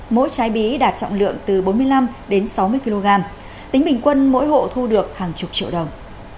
mỗi trái bí đạt trọng lượng từ bốn mươi năm đến sáu mươi kg tính bình quân mỗi hộ thu được hàng chục triệu đồng